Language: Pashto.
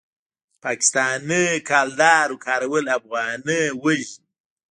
د پاکستانۍ کلدارو کارول افغانۍ وژني.